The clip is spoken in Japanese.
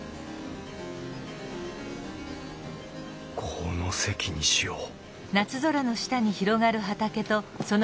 この席にしよう